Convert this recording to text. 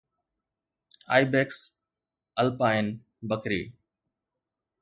Ibex alpine Bakhri